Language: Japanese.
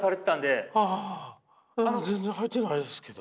まだ全然はいてないですけど。